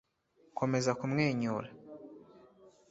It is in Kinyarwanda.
komeza kumwenyura